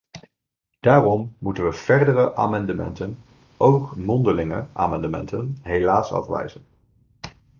Daarom moeten we verdere amendementen, ook mondelinge amendementen, helaas afwijzen.